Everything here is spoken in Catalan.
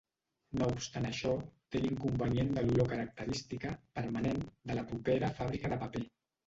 No obstant això té l'inconvenient de l'olor característica, permanent, de la propera fàbrica de paper.